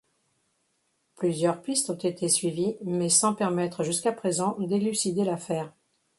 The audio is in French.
Plusieurs pistes ont été suivies, mais sans permettre jusqu'à présent d'élucider l'affaire.